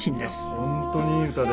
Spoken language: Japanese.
本当にいい歌で。